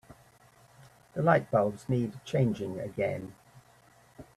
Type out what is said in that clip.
The lightbulbs need changing again.